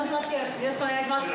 よろしくお願いします。